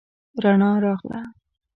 رڼا راغله